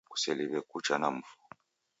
Kuseliw'e kucha na mfu